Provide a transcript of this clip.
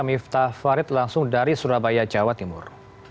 miftah farid langsung dari surabaya jawa timur